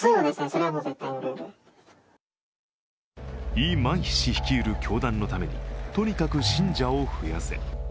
イ・マンヒ氏率いる教団のためにとにかく信者を増やせ。